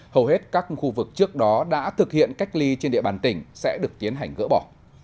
hầu hết các khu vực trước đó đã thực hiện cách ly trên địa bàn tỉnh sẽ được tiến hành gỡ bỏ